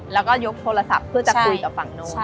แล้วก็ยกโทรศัพท์เพื่อจะคุยกับฝั่งโน้น